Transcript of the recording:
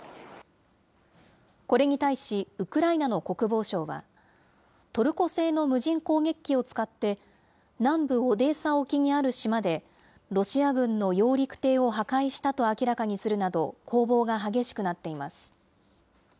これに対し、ウクライナの国防省は、トルコ製の無人攻撃機を使って、南部オデーサ沖にある島で、ロシア軍の揚陸艇を破壊したと明らかにしたなど、攻防が激しくなっています。